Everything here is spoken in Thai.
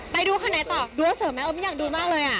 ไปดูข้างไหนต่อดูรถเสือไหมไม่อยากดูมากเลยอ่ะ